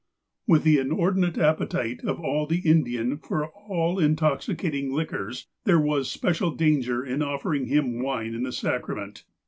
With the inordinate appetite of the Indian for all intoxicating liquors, there was special danger in offering him wine in the sacrament.